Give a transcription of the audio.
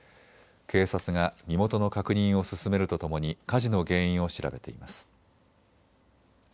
警察が身元の確認を進めるとともに火事の原因を調べています。